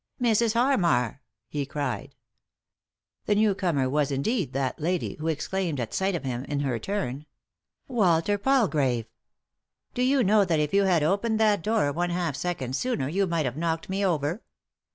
"Mrs. Harmarl" he cried. The newcomer was indeed that lady, who ex claimed, at sight of him, in her turn : "Walter Palgravel" " Do you know that if you had opened that door one half second sooner you might have knocked me over?"